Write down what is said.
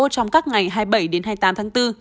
trong các ngày hai mươi bảy đến hai mươi tám tháng bốn